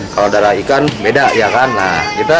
kalau darah ikan beda